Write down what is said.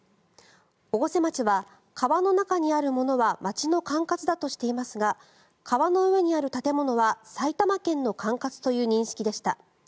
越生町は川の中にあるものは町の管轄だとしていますが川の上にある建物は埼玉県の管轄という認識でした。